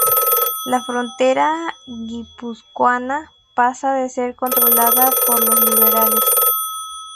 La frontera guipuzcoana pasa a ser controlada por los liberales.